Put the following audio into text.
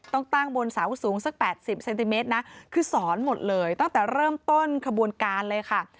ต้องตั้งบนเสาสูงสัก๘๐เซนติเมตรนะคือสอนหมดเลยตั้งแต่เริ่มต้นขบวนการเลยค่ะ